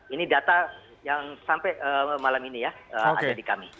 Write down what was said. ini data yang sampai malam ini ya ada di kami